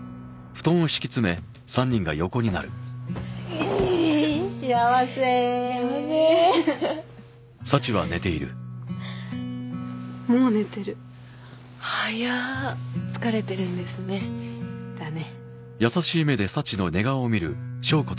イエーイ幸せ幸せふふっもう寝てる早っ疲れてるんですねだね